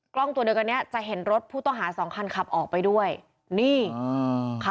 กล้องตัวเดียวกันเนี้ยจะเห็นรถผู้ต้องหาสองคันขับออกไปด้วยนี่อ่าค่ะ